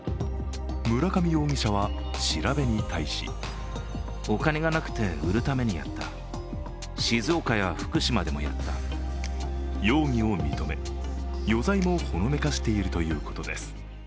村上容疑者は調べに対し容疑を認め、余罪もほのめかしているということです。